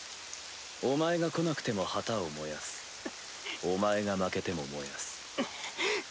お前が来なくても旗を燃やすお前が負けても燃やす。